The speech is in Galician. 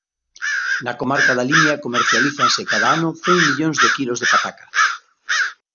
Na comarca da Limia comercialízanse cada ano cen millóns de quilos de pataca.